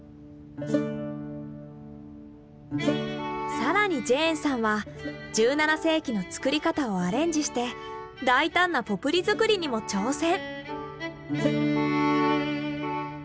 更にジェーンさんは１７世紀の作り方をアレンジして大胆なポプリ作りにも挑戦。